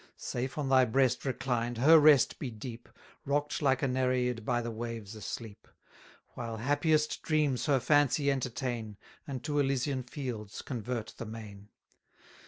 620 Safe on thy breast reclined, her rest be deep, Rock'd like a Nereid by the waves asleep; While happiest dreams her fancy entertain, And to Elysian fields convert the main!